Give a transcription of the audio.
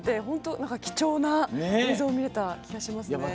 本当、貴重な映像を見れた気がしますね。